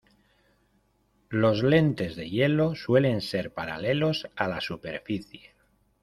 Los lentes de hielo suelen ser paralelos a la superficie.